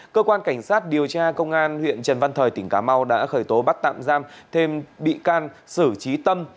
cơ quan cảnh sát điều tra công an huyện trần văn thời tỉnh cà mau đã khởi tố bắt tạm giam thêm bị can sử trí tâm